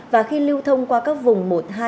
và khi lưu thông qua các vùng một hai